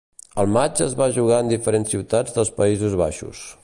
El matx es va jugar en diferents ciutats dels Països Baixos.